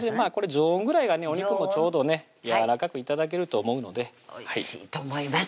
常温ぐらいがねお肉もちょうどねやわらかく頂けると思うのでおいしいと思います